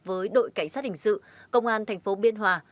với đội cảnh sát hình sự công an thành phố biên hòa